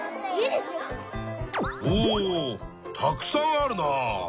おたくさんあるな。